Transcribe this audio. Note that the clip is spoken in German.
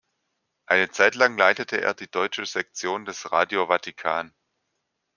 Eine Zeit lang leitete er die deutsche Sektion des Radio Vatikan.